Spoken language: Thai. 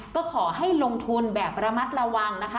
ก็ขอให้ลงทุนแบบระมัดระวังนะคะ